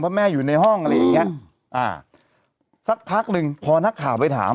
เพราะแม่อยู่ในห้องอะไรอย่างเงี้ยอ่าสักพักหนึ่งพอนักข่าวไปถาม